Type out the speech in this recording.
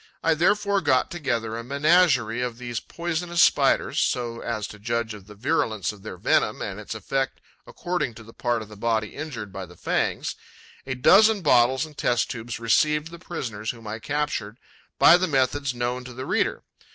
I therefore got together a menagerie of these poisonous Spiders, so as to judge of the virulence of their venom and its effect according to the part of the body injured by the fangs. A dozen bottles and test tubes received the prisoners, whom I captured by the methods known to the reader.